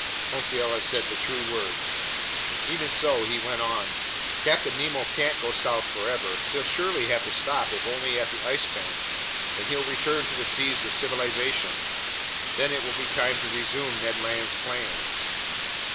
Conseil had said the true word. "Even so," he went on, "Captain Nemo can't go south forever! He'll surely have to stop, if only at the Ice Bank, and he'll return to the seas of civilization! Then it will be time to resume Ned Land's plans."